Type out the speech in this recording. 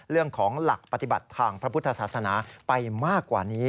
เรื่องของหลักปฏิบัติทางพระพุทธศาสนาไปมากกว่านี้